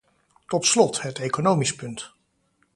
Tot slot, het economisch punt.